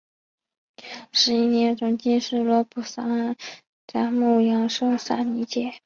十一年从经师罗卜桑札木养受沙弥戒。